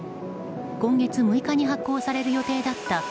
今月６日に発行される予定だった